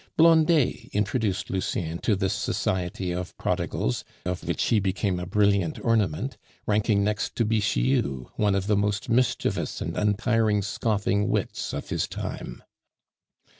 Blondet introduced Lucien to this society of prodigals, of which he became a brilliant ornament, ranking next to Bixiou, one of the most mischievous and untiring scoffing wits of his time.